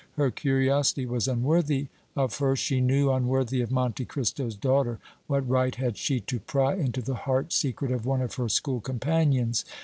Her curiosity was unworthy of her, she knew, unworthy of Monte Cristo's daughter. What right had she to pry into the heart secret of one of her school companions?